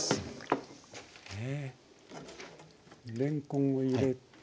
れんこんを入れて。